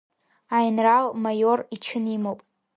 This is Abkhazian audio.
Аинралмаиор ичын имоуп.